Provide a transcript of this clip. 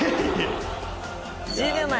１０秒前。